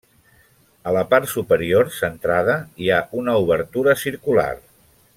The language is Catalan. A la part superior, centrada, hi ha una obertura circular.